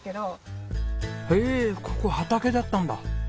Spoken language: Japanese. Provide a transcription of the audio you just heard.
ここ畑だったんだ。